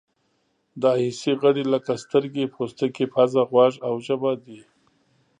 دا حسي غړي لکه سترګې، پوستکی، پزه، غوږ او ژبه دي.